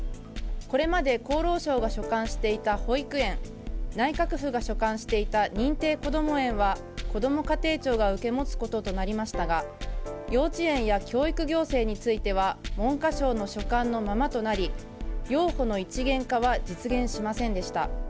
これまで厚労省が所管していた保育園内閣府が所管していた認定こども園はこども家庭庁が受け持つこととなりましたが、幼稚園や教育行政については文科省の所管のままとなり幼保の一元化は実現しませんでした。